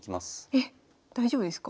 えっ大丈夫ですか？